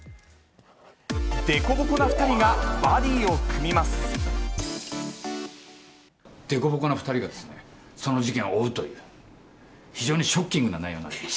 凸凹な２人がバディを組みま凸凹な２人がその事件を追うという、非常にショッキングな内容になってます。